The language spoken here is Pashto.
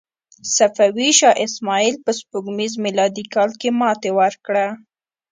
صفوي شاه اسماعیل په سپوږمیز میلادي کال کې ماتې ورکړه.